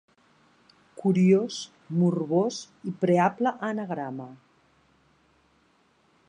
Curiós, morbós i preable anagrama.